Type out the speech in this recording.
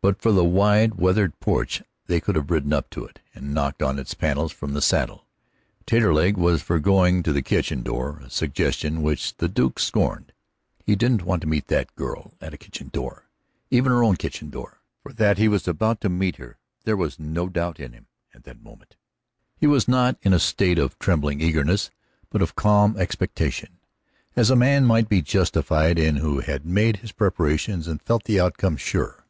But for the wide, weathered porch they could have ridden up to it and knocked on its panels from the saddle. Taterleg was for going to the kitchen door, a suggestion which the Duke scorned. He didn't want to meet that girl at a kitchen door, even her own kitchen door. For that he was about to meet her, there was no doubt in him that moment. He was not in a state of trembling eagerness, but of calm expectation, as a man might be justified in who had made his preparations and felt the outcome sure.